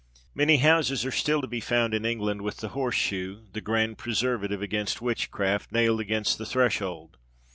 ] Many houses are still to be found in England with the horse shoe (the grand preservative against witchcraft) nailed against the threshold.